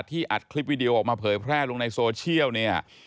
อัดคลิปวิดีโอออกมาเผยแพร่ลงในโซเชียลเนี่ย